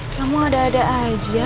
kamu ada ada aja